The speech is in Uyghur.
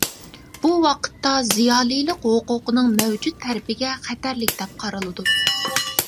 بۇ ۋاقىتتا زىيالىيلىق ھوقۇقنىڭ مەۋجۇت تەرتىپىگە خەتەرلىك دەپ قارىلىدۇ.